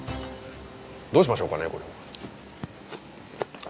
どうしましょうかねこれ。